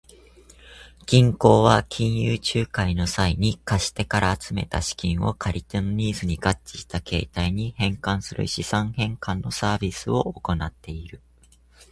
銀行は金融仲介の際に、貸し手から集めた資金を借り手のニーズに合致した形態に変換する資産変換のサービスを行っている。